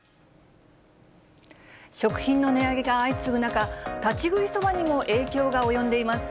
食品の値上げが相次ぐ中、立ち食いそばにも影響が及んでいます。